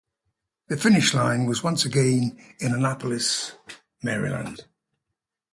The finish line was once again in Annapolis, Maryland.